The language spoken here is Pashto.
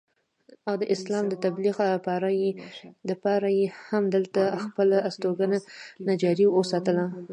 او د اسلام د تبليغ دپاره ئې هم دلته خپله استوګنه جاري اوساتله